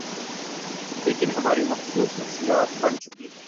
لیکن ہماری مخصوص نفسیات بن چکی ہے۔